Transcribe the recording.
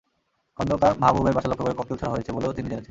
খন্দকার মাহাবুবের বাসা লক্ষ্য করে ককটেল ছোড়া হয়েছে বলেও তিনি জেনেছেন।